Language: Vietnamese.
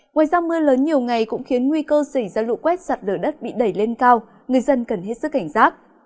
ngoài ra mưa lớn nhiều ngày cũng khiến nguy cơ xảy ra lụ quét sạt lở đất bị đẩy lên cao người dân cần hết sức cảnh giác